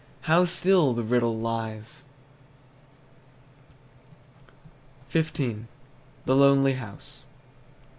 How still the riddle lies! XV. THE LONELY HOUSE.